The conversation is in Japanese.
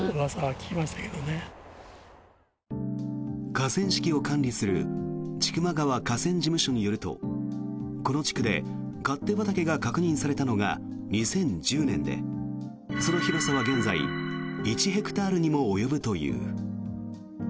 河川敷を管理する千曲川河川事務所によるとこの地区で勝手畑が確認されたのが２０１０年でその広さは現在１ヘクタールにも及ぶという。